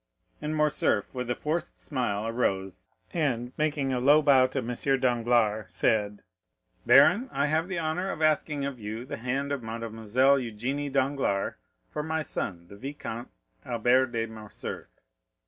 And Morcerf with a forced smile arose, and, making a low bow to M. Danglars, said: "Baron, I have the honor of asking of you the hand of Mademoiselle Eugénie Danglars for my son, the Vicomte Albert de Morcerf."